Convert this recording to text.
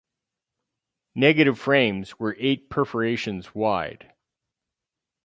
Negative frames were eight perforations wide.